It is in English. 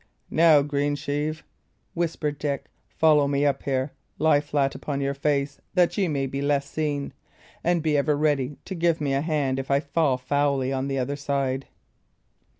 "Now, Greensheve," whispered Dick, "follow me up here; lie flat upon your face, that ye may be the less seen; and be ever ready to give me a hand if I fall foully on the other side."